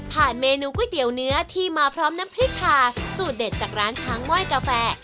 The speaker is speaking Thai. เมนูก๋วยเตี๋ยวเนื้อที่มาพร้อมน้ำพริกทาสูตรเด็ดจากร้านช้างไหว้กาแฟ